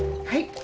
はい。